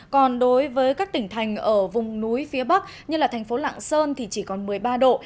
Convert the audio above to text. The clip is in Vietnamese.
còn đối với các tỉnh thành ở vùng núi phía bắc như thành phố lạng sơn thì chỉ còn một mươi ba độ